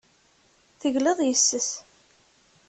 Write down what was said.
Tegliḍ yes-s.